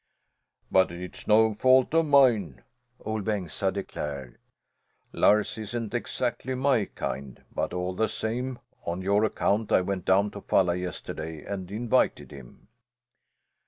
"But it's no fault of mine," Ol' Bengsta declared. "Lars isn't exactly my kind, but all the same, on your account, I went down to Falla yesterday and invited him."